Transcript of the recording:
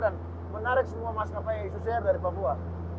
dan menarik semua mas kapal isuj dari papua